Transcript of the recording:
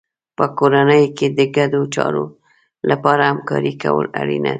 په کورنۍ کې د ګډو چارو لپاره همکاري کول اړینه ده.